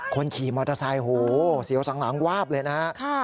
คนขี่มอเตอร์ไซค์โหเสียวสังหลังวาบเลยนะฮะ